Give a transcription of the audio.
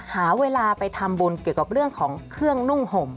หาเวลาไปทำบุญเกี่ยวกับเรื่องของเครื่องนุ่งห่ม